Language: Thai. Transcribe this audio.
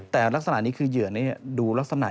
แต่ลักษณะนี้คือเหยื่อนี้ดูลักษณะ